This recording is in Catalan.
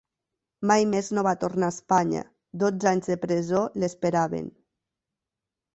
Mai més no va tornar a Espanya; dotze anys de presó l'esperaven.